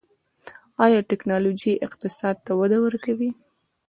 آیا ټیکنالوژي اقتصاد ته وده ورکوي؟